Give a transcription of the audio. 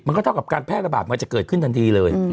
ก็เท่ากับการแพร่ระบาดมันจะเกิดขึ้นทันทีเลย